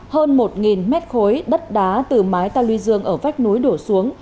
hơn một mét khối đất đá từ mái ta luy dương ở vách núi đổ xuống